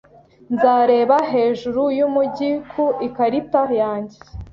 Nzareba hejuru yumujyi ku ikarita yanjye.